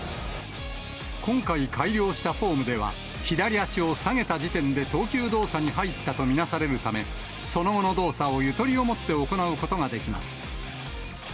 今回改良したフォームでは、左足を下げた時点で投球動作に入ったと見なされるため、その後の動作をゆとりをもって行うことができます。